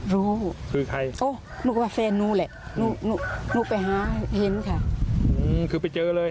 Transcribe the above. รู้คือใครโอ้หนูก็แฟนหนูแหละหนูหนูไปหาเห็นค่ะคือไปเจอเลย